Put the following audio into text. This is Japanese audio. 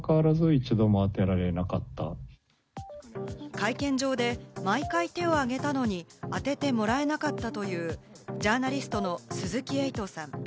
会見場で毎回手を挙げたのに、当ててもらえなかったという、ジャーナリストの鈴木エイトさん。